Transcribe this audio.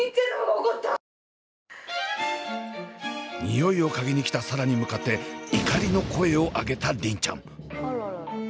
においを嗅ぎに来た紗蘭に向かって怒りの声を上げた梨鈴ちゃん。